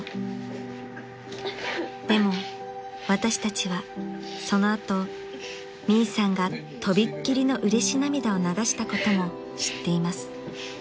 ［でも私たちはその後ミイさんがとびっきりのうれし涙を流したことも知っています］